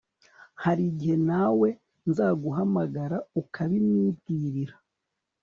harigihe nawe nzaguhamagara ukabimwibwirira